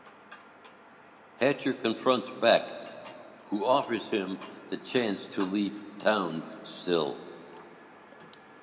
Hatcher confronts Beck, who offers him the chance to leave town still.